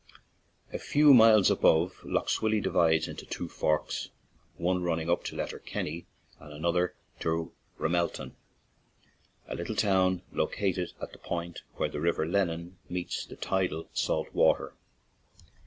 A few miles above, Lough Swilly divides into two forks, one running up to Letter kenny and the other to Ramelton, a little town located at the point where the river Lennon meets the tidal salt water.